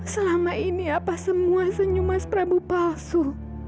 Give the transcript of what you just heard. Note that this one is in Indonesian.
selama ini apa semua senyum mas prabu palsu